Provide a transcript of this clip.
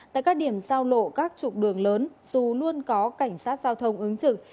tại các điểm giao lộ các trục đường lớn dù luôn có cảnh sát giao thông ứng trực